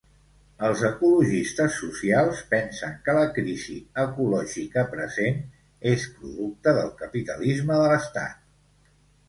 Els ecologistes socials pensen que la crisi ecològica present és producte del capitalisme de l'Estat.